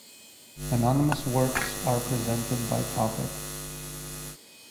Anonymous works are presented by topic.